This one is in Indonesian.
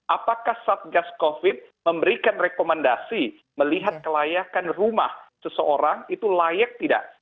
apakah satgas covid memberikan rekomendasi melihat kelayakan rumah seseorang itu layak tidak